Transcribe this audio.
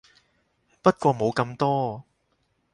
不過冇咁多